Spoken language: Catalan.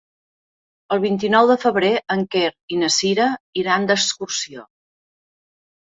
El vint-i-nou de febrer en Quer i na Cira iran d'excursió.